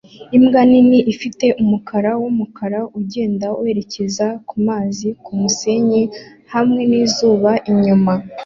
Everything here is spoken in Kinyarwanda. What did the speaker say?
Imbwa nini ifite umukara wumukara ugenda werekeza kumazi kumusenyi hamwe nizuba inyuma